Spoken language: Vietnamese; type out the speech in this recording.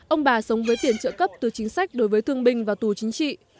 ông bà sống với tiền trợ cấp từ chính sách đối với thương binh và tù chính trị